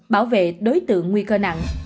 bảo vệ đối tượng nguy cơ nặng